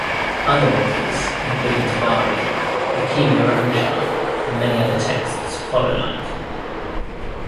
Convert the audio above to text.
Other authors, including Tabari, Hakim Iranshah and many other texts follow like.